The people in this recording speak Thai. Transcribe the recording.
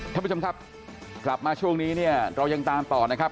ท่านผู้ชมครับกลับมาช่วงนี้เนี่ยเรายังตามต่อนะครับ